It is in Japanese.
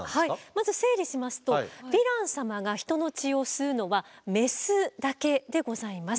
まず整理しますとヴィラン様が人の血を吸うのはメスだけでございます。